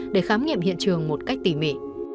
để khám nghiệm hiện trường một cách tỉ mỉ